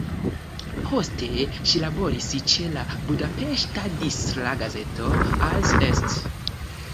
Poste ŝi laboris ĉe la budapeŝta distra gazeto "Az Est".